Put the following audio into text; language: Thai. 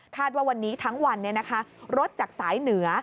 ว่าวันนี้ทั้งวันรถจากสายเหนือ